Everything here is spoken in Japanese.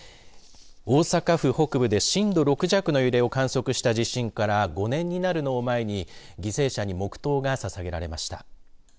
大阪府北部で震度６弱の揺れを観測した地震から５年になるのを前に犠牲者に黙とうがささげられました。